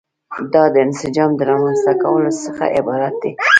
دا د انسجام د رامنځته کولو څخه عبارت دي.